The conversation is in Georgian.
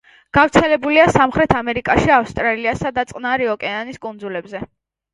გავრცელებულია სამხრეთ ამერიკაში, ავსტრალიასა და წყნარი ოკეანის კუნძულებზე.